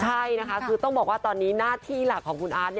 ใช่นะคะคือต้องบอกว่าตอนนี้หน้าที่หลักของคุณอาร์ต